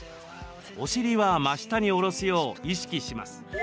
お尻は真下に下ろすよう意識します。